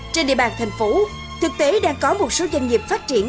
trên địa bàn thành phố thực tế đang có một số doanh nghiệp phát triển